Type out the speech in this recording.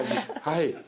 はい。